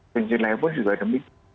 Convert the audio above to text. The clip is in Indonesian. penci lain pun juga demi